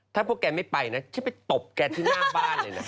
ถ้าพวกแกไม่ไปนะฉันไปตบแกที่หน้าบ้านเลยนะ